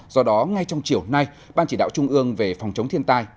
do đó ngay trong chiều nay ban chỉ đạo trung ương về phòng chống thiên tai